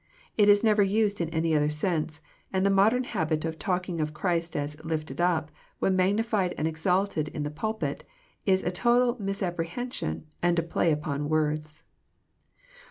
It is never used in any other sense, and the modem habit of talking of Christ as lifted up," when magnified and exalted in the pulpit, is a total misapprehension, and a play upon words.